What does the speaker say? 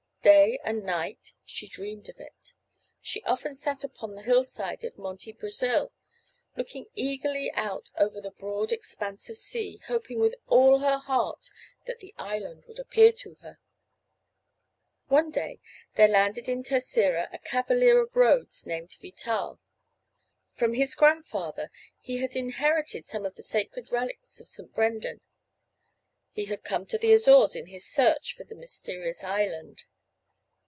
Day and night she dreamed of it. She often sat upon the hillside of Monte Brasil, looking eagerly out over the broad expanse of sea, hoping with all her heart that the island would appear to her. One day there landed in Terceira a cavalier of Rhodes named Vital. From his grandfather he had inherited some of the sacred relics of St. Brendan. He had come to the Azores in his search for the mysterious island.